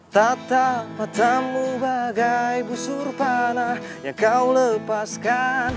tatap patamu bagai busur panah yang kau lepaskan